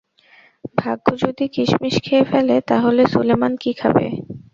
ভাগ্য যদি কিসমিস খেয়ে ফেলে তাহলে সুলেমান কী খাবে!